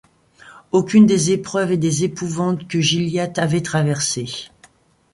Aucune des épreuves et des épouvantes que Gilliatt avait traversées